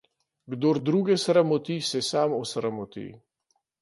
Kdor druge sramoti, se sam osramoti.